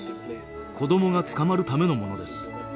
子どもがつかまるためのものです。